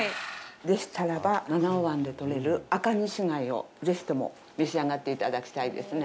でしたらば、七尾湾で取れるアカニシ貝をぜひとも召し上がっていただきたいですね。